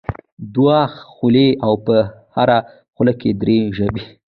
دوه خولې او په هره خوله کې درې ژبې.